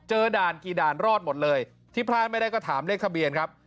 ด่านกี่ด่านรอดหมดเลยที่พลาดไม่ได้ก็ถามเลขทะเบียนครับ